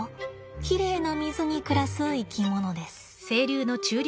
きれいな水に暮らす生き物です。